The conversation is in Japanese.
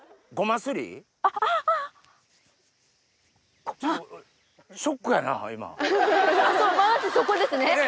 まずそこですね。